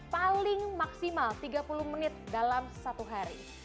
paling maksimal tiga puluh menit dalam satu hari